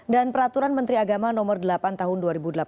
dan peraturan menteri agama no delapan tahun dua ribu delapan belas